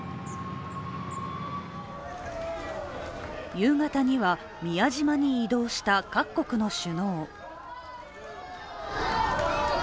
夕方には宮島に移動した各国の首脳。